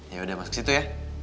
yaudah masuk situ ya